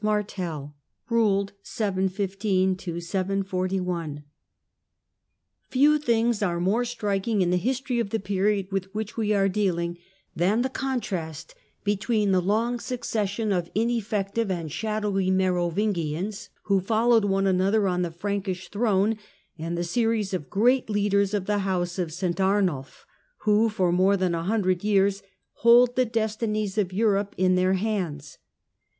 CHAPTEE XI CHARLES MARTEL Charies T^EW things are more striking in the history of the 7i5> r 74i period with which we are dealing than the con trast between the long succession of ineffective and shadowy Merovingians who follow one another on the Frankish throne, and the series of great leaders of the house of St. Arnulf, who for more than a hundred years hold the destinies of Europe in their hands.